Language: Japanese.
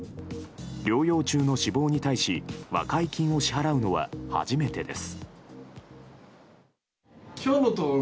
療養中の死亡に対し和解金を支払うのは初めてです。